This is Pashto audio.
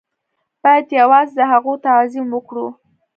بايد يوازې د هغو تعظيم وکړو.